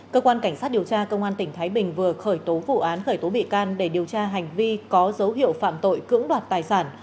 cơ quan cảnh sát điều tra công an tỉnh thái bình vừa khởi tố vụ án khởi tố bị can để điều tra hành vi có dấu hiệu phạm tội cưỡng đoạt tài sản